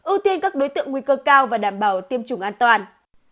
ưu tiên các đối tượng nguy cơ cao và đảm bảo tiêm chủng an toàn